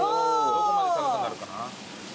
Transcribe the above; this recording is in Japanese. どこまで高くなるかな。